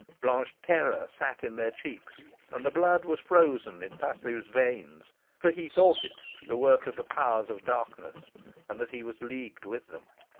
Blanched terror sat in their cheeks, and the blood was frozen in Paslew's veins; for he thought it the work of the powers of darkness, and that he was leagued with them.